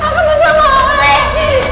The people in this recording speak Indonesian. aku gak mau sama bapak